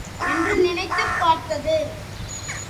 என்று நினைத்துப் பார்த்தது.